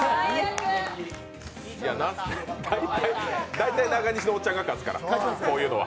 大体、中西のおっちゃんが勝つから、こういうのは。